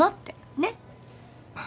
ねっ。